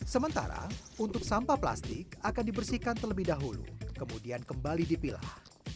sementara untuk sampah plastik akan dibersihkan terlebih dahulu kemudian kembali dipilah